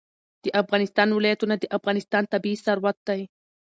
د افغانستان ولايتونه د افغانستان طبعي ثروت دی.